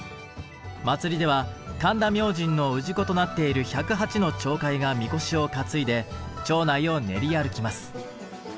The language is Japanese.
祭では神田明神の氏子となっている１０８の町会がみこしを担いで町内を練り歩きます。